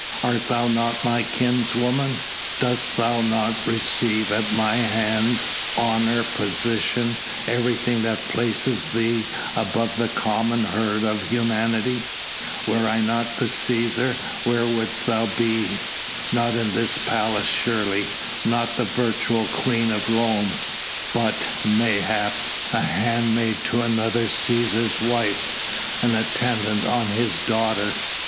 Art thou not my kinswoman? Dost thou not receive at my hands honour, position, everything that places thee above the common herd of humanity? Were I not the Cæsar, where wouldst thou be? Not in this palace surely, not the virtual queen of Rome, but, mayhap, a handmaid to another Cæsar's wife, an attendant on his daughter....